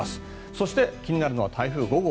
そして気になるの台風５号。